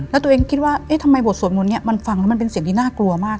แล้วตัวเองคิดว่าเอ๊ะทำไมบทสวดมนต์นี้มันฟังแล้วมันเป็นเสียงที่น่ากลัวมาก